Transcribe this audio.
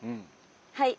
はい！